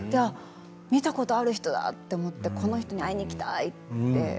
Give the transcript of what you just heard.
見たことある人だと思ってこの人に会いに行きたいって。